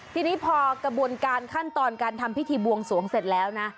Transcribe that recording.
ทีนี้พอกระบวนการขั้นตอนการทำพิธีบวงสวงเสร็จแล้วนะ